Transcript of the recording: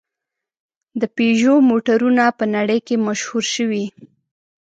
د پيژو موټرونه په نړۍ کې مشهور شوي.